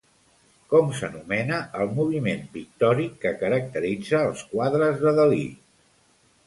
Com s'anomena el moviment pictòric que caracteritza els quadres de Dalí?